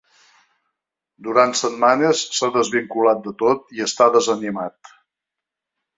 Durant setmanes s’ha desvinculat de tot i està desanimat.